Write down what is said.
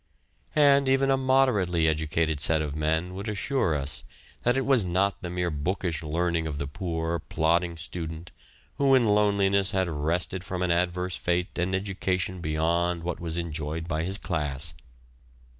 And even a moderately educated set of men would assure us that it was not the mere bookish learning of the poor, plodding student who in loneliness had wrested from an adverse fate an education beyond what was enjoyed by his class.